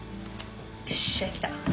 よっしゃ来た！